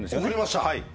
送りました。